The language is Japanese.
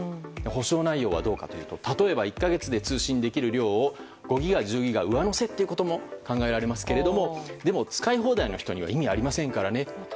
補償内容はどうかというと例えば、１か月で通信できる量を５ギガ、１０ギガ上乗せということも考えられますけれども使い放題の人には意味がありませんからね。